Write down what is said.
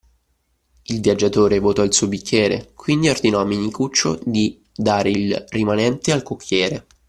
Il viaggiatore vuotò il suo bicchiere, quindi ordinò a Menicuccio di dare il rimanente al cocchiere